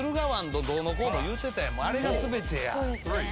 あれが全てや。